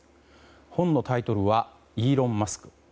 本のタイトルは「イーロン・マスク」。